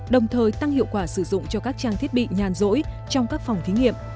đồng thời tăng hiệu quả sử dụng cho các trang thiết bị nhàn rỗi trong các phòng thí nghiệm